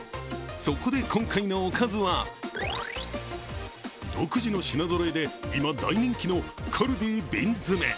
そこで今回のおかずは、独自の品ぞろえで今、大人気のカルディ瓶詰め！